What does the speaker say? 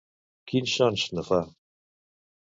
Quins sons no fa?